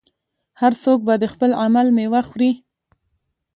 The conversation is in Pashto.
هر څوک به د خپل عمل میوه خوري.